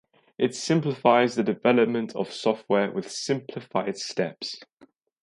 It simplifies the development of software with simplified steps.